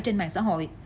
trên mạng xã hội